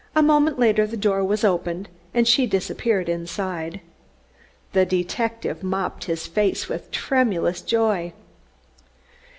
A moment later the door was opened, and she disappeared inside. The detective mopped his face with tremulous joy.